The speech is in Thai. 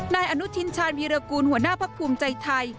นายอนุทินชาญวีรกูลหัวหน้าพักภูมิใจไทย